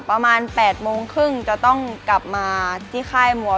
ประมาณ๘โมงครึ่งจะต้องกลับมาที่ค่ายมวย